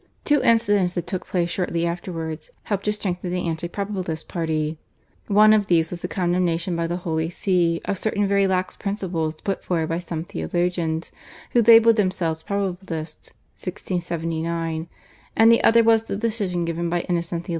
Two incidents that took place shortly afterwards helped to strengthen the anti Probabilist party. One of these was the condemnation by the Holy See of certain very lax principles put forward by some theologians who labelled themselves Probabilists (1679), and the other was the decision given by Innocent XI.